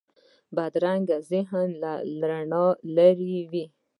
بدرنګه ژوند له رڼا لرې وي